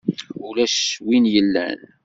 Ulac win yellan.